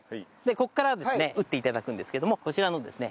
ここからですね打って頂くんですけどもこちらのですね